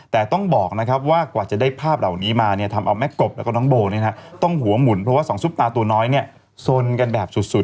แต่ต้องบอกว่ากว่าจะได้ภาพเหล่านี้มาทำเอาแม่กลบและน้องโบต้องหัวหมุนเพราะสองซุปตาตัวน้อยสนกันเป็นแบบที่สุด